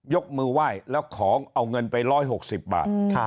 ยกมือไหว้แล้วของเอาเงินไป๑๖๐บาท